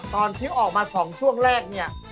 ตอนที่ออกมา๒ช่วงแรกเนี่ย